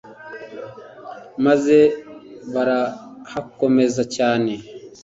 maze barahakomeza cyane